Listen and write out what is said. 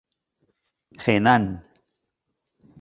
Henan.